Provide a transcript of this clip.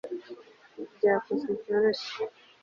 byakozwe byoroshye